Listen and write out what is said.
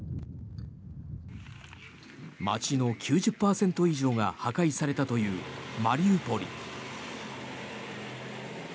街の９０％以上が破壊されたというマリウポリ。